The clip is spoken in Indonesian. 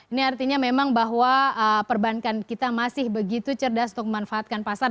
ini artinya memang bahwa perbankan kita masih begitu cerdas untuk memanfaatkan pasar